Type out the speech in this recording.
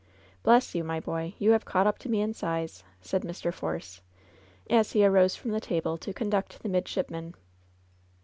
Bless you, my boy I you have caught up to me in size,'' said Mr. Force, as he arose from the table to conduct the midshipman.